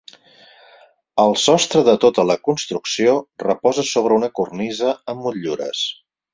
El sostre de tota la construcció reposa sobre una cornisa amb motllures.